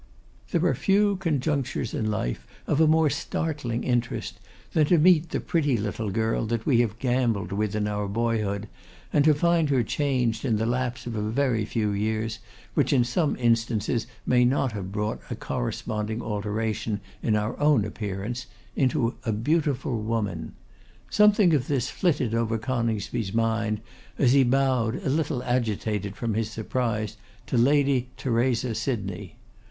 There are few conjunctures in life of a more startling interest, than to meet the pretty little girl that we have gambolled with in our boyhood, and to find her changed in the lapse of a very few years, which in some instances may not have brought a corresponding alteration in our own appearance, into a beautiful woman. Something of this flitted over Coningsby's mind, as he bowed, a little agitated from his surprise, to Lady Theresa Sydney.